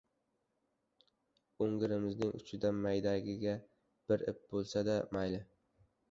O‘ngiringizning uchidan maydagina bir ip bo‘lsa-da mayli.